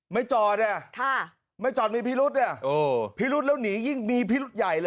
ไม่จอดเนี่ยไม่จอดมีพิรุษเนี่ยพิรุษแล้วหนียิ่งมีพิรุษใหญ่เลย